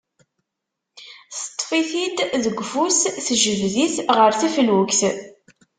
Teṭṭef-it-id deg ufus, tejbed-it ɣer teflukt.